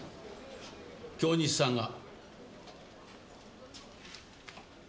京日さんが。